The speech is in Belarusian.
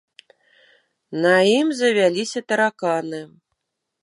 На ім завяліся тараканы.